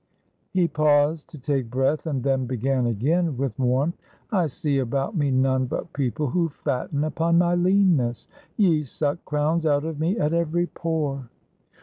He paused to take breath, and then began again with warmth: "I see about me none but people who fatten upon my leanness. Ye suck crowns out of me at every pore!"